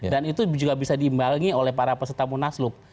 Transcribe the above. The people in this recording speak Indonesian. dan itu juga bisa diimbangi oleh para peserta munaslup